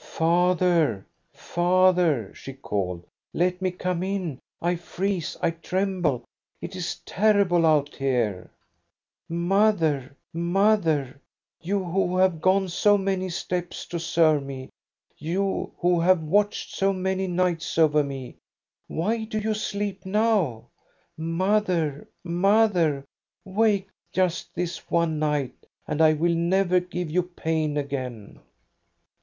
" Father, father !" she called. " Let me come in ! I freeze, I tremble. It is terrible out here !" Mother, mother ! You who have gone so many steps to serve me, you who have watched so many nights over me, why do you sleep now? Mother, mother, wake just this one night, and I will never give you pain again